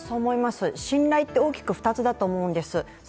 信頼って大きく２つだと思うんです。